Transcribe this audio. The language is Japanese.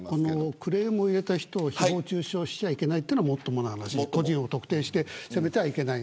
クレームを入れた人を誹謗中傷してはいけないのはもっともで、個人を特定して攻めちゃいけない。